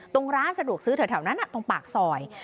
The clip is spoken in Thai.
ตรงร้านสะดวกซื้อเถอะนั้นตรงปากสอย